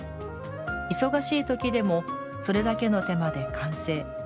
忙しい時でもそれだけの手間で完成。